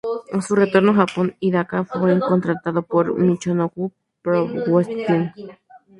A su retorno a Japón, Hidaka fue contratado por Michinoku Pro Wrestling.